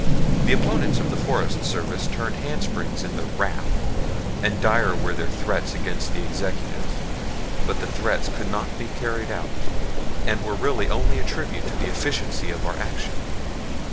The opponents of the Forest Service turned handsprings in their wrath; and dire were their threats against the Executive; but the threats could not be carried out, and were really only a tribute to the efficiency of our action.